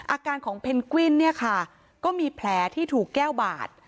อาการของเพนกวิ้นเนี่ยค่ะก็มีแผลที่ถูกแก้วบาด